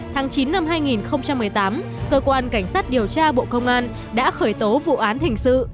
tháng chín năm hai nghìn một mươi tám cơ quan cảnh sát điều tra bộ công an đã khởi tố vụ án hình sự